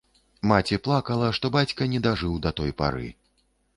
Маці плакала, што бацька не дажыў да той пары.